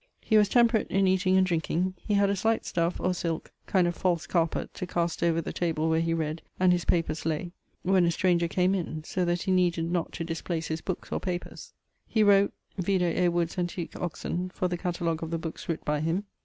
He was temperate in eating and drinking. He had a slight stuffe, or silke, kind of false carpet, to cast over the table where he read and his papers lay, when a stranger came in, so that he needed not to displace his bookes or papers. He wrote ...: vide A. Wood's Antiq. Oxon. for the catalogue of the bookes writt by him.